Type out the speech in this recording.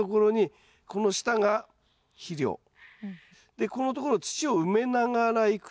でここのところを土を埋めながらいくとですね